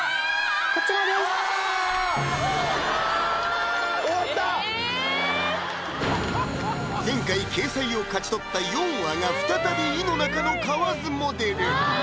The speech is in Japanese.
こちらです前回掲載を勝ち取ったヨンアが再び井の中の蛙モデル！